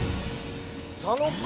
佐野君。